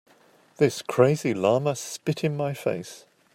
This crazy llama spit in my face.